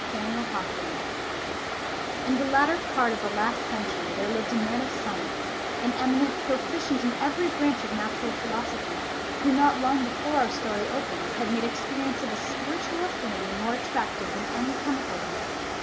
THE BIRTHMARK In the latter part of the last century there lived a man of science, an eminent proficient in every branch of natural philosophy, who not long before our story opens had made experience of a spiritual affinity more attractive than any chemical one.